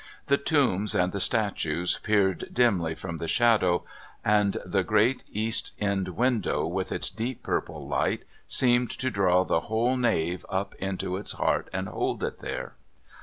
The tombs and the statues peered dimly from the shadow, and the great east end window, with its deep purple light, seemed to draw the whole nave up into its heart and hold it there.